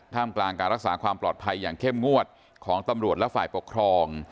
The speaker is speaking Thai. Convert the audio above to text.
มกลางการรักษาความปลอดภัยอย่างเข้มงวดของตำรวจและฝ่ายปกครอง